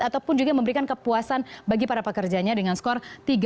ataupun juga memberikan kepuasan bagi para pekerjanya dengan skor tiga empat puluh sembilan